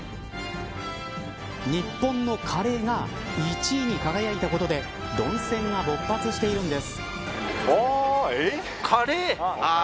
日本のカレーが１位に輝いたことで論戦が勃発しているんです。